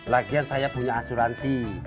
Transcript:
lagian saya punya asuransi